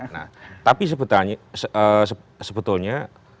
nah tapi sebetulnya